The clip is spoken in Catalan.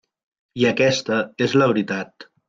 I aquesta és la veritat.